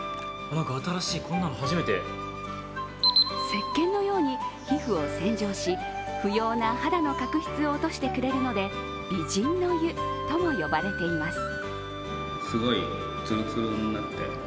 せっけんのように皮膚を洗浄し不要な肌の角質を落としてくれるので美人の湯とも呼ばれています。